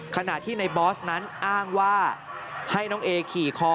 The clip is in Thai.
ขณะที่ในบอสนั้นอ้างว่าให้น้องเอขี่คอ